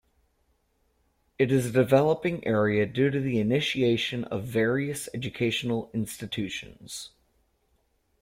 It is a developing area due to the initiation of various educational institutions.